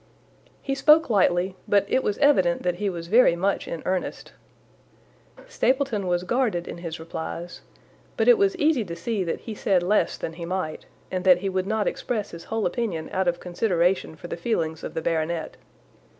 He spoke lightly, but it was evident that he was very much in earnest. Stapleton was guarded in his replies, but it was easy to see that he said less than he might, and that he would not express his whole opinion out of consideration for the feelings of the baronet.